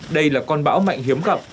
đây là con bão mạnh hiếm gặp